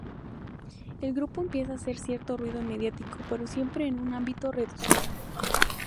El grupo empieza a hacer cierto ruido mediático pero siempre en un ámbito reducido.